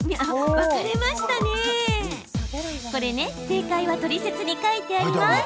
正解はトリセツに書いてあります。